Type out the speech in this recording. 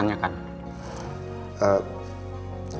apa yang ingin pak indono tanyakan